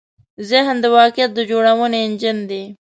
ذهن د واقعیت د جوړونې انجن دی.